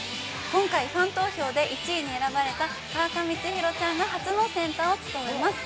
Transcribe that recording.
今回、ファン投票で１位に選ばれた川上千尋ちゃんが初のセンターを務めます。